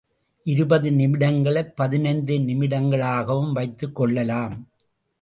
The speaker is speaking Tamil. இருபது நிமிடங்களை பதினைந்து நிமிடங்களாகவும் வைத்துக் கொள்ளலாம்.